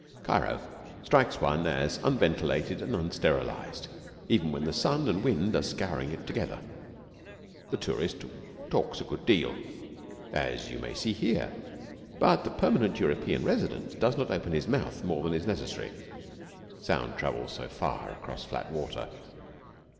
Cairo strikes one as unventilated and unsterilised, even when the sun and wind are scouring it together. The tourist talks a good deal, as you may see here, but the permanent European resident does not open his mouth more than is necessary sound travels so far across flat water.